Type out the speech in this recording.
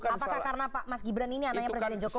apakah karena mas gibran ini anaknya presiden jokowi